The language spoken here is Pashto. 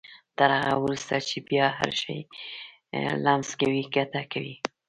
تر هغه وروسته چې بيا هر شی لمس کوئ ګټه کوي.